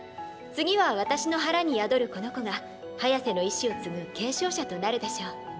次は私の腹に宿るこの子がハヤセの意志を継ぐ継承者となるでしょう。